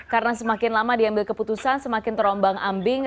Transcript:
karena semakin lama diambil keputusan semakin terombang ambing